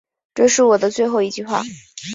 这是我的最后一句话